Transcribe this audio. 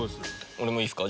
俺もいいっすか？